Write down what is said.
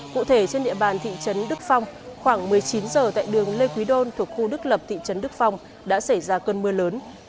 cụ thể trên địa bàn thị trấn đức phong khoảng một mươi chín giờ tại đường lê quý đôn thuộc khu đức lập thị trấn đức phong đã xảy ra cơn mưa lớn